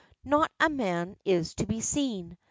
Not a man is to be seen.